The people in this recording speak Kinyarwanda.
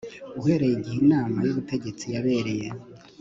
uhereye igihe inama y ubutegetsi yabereye